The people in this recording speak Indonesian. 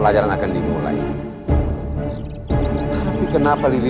dasar anak anak terima kasih